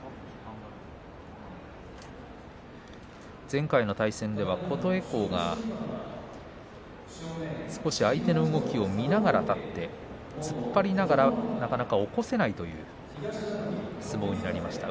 前回の対戦では琴恵光が少し相手の動きを見ながらあたって突っ張りながらなかなか起こせないという相撲になりました。